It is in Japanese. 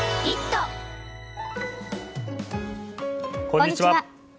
こんにちは。